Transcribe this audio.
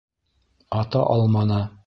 Ата алманы.